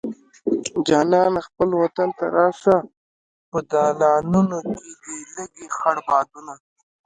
جانانه خپل وطن ته راشه په دالانونو کې دې لګي خړ بادونه